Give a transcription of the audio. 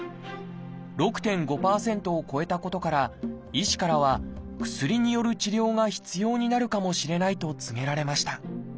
６．５％を超えたことから医師からは薬による治療が必要になるかもしれないと告げられました。